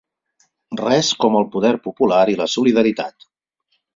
Res com el poder popular i la solidaritat.